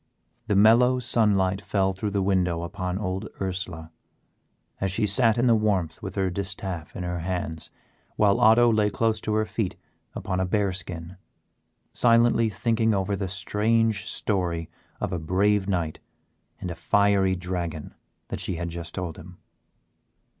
The mellow sunlight fell through the window upon old Ursela, as she sat in the warmth with her distaff in her hands while Otto lay close to her feet upon a bear skin, silently thinking over the strange story of a brave knight and a fiery dragon that she had just told him.